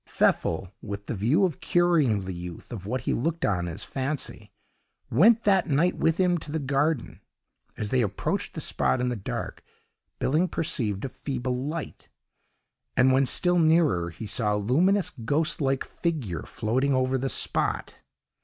Pfeffel, with the view of curing the youth of what he looked on as fancy, went that night with him to the garden. As they approached the spot in the dark, Billing perceived a feeble light, and when still nearer, he saw a luminous ghostlike figure floating over the spot.